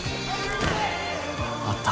あった。